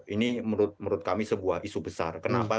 ini menurut kami sebuah isu besar kenapa